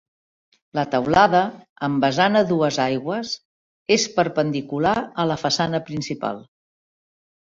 La teulada, amb vessant a dues aigües, és perpendicular a la façana principal.